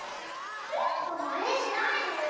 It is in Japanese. ちょっとまねしないでよ。